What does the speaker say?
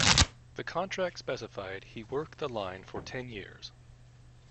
The contract specified he work the line for ten years.